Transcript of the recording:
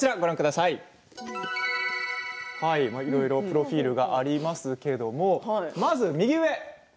いろいろプロフィールがありますけれどもまず右上。